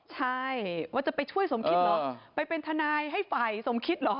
ใช่ว่าจะไปช่วยสมคิดเหรอไปเป็นทนายให้ฝ่ายสมคิดเหรอ